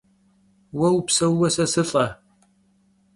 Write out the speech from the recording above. Vue vupseuue se sılh'e!